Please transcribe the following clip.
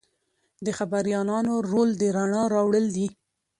د خبریالانو رول د رڼا راوړل دي.